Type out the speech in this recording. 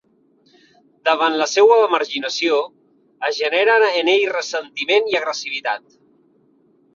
Davant la seua marginació, es genera en ell ressentiment i agressivitat.